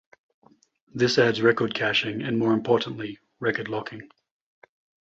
This adds record caching and, more importantly, record locking.